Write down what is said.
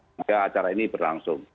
sehingga acara ini berlangsung